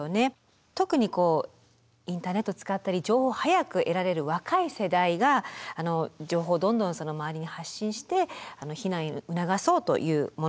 特にインターネット使ったり情報を早く得られる若い世代が情報をどんどんその周りに発信して避難を促そうというものなんですけれども。